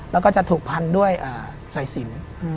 แล้วก็จะถูกพันด้วยสายสิน